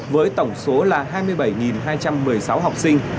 với tổng số là hai mươi bảy hai trăm một mươi sáu học sinh